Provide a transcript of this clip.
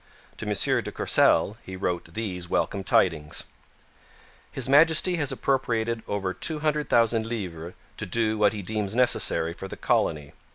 To M. de Courcelle he wrote these welcome tidings: His Majesty has appropriated over 200,000 livres to do what he deems necessary for the colony.